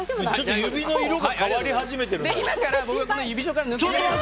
指の色が変わり始めてるけど。